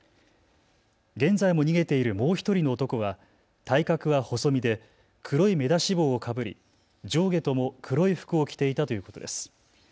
現在も逃げているもう１人の男は体格は細身で黒い目出し帽をかぶり上下とも黒い服を着ていたということです。